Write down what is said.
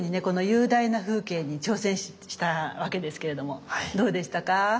この雄大な風景に挑戦したわけですけれどもどうでしたか。